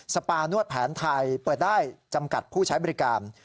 ปานวดแผนไทยเปิดได้จำกัดผู้ใช้บริการ